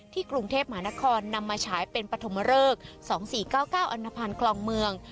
กรุงเทพมหานครนำมาฉายเป็นปฐมเริก๒๔๙๙อันนภัณฑ์คลองเมือง